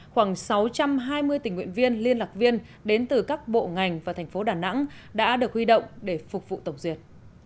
khoảng sáu trăm hai mươi tình nguyện viên liên lạc viên đến từ các bộ ngành và thành phố đà nẵng đã được huy động để phục vụ tổng duyệt